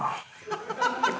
ハハハハ！